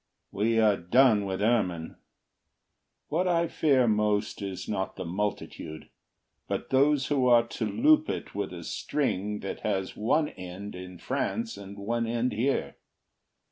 We are done with ermine. What I fear most is not the multitude, But those who are to loop it with a string That has one end in France and one end here.